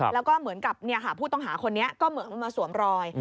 แล้วก็เหมือนกับผู้ต้องหาคนนี้ก็เหมือนมาสวมรอย